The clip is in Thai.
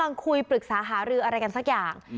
แม่งคุยปรึกษาหารื่ออะไรสักอย่าง